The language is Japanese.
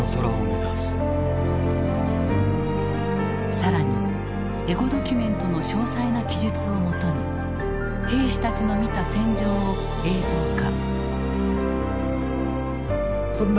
更にエゴドキュメントの詳細な記述をもとに兵士たちの見た戦場を映像化。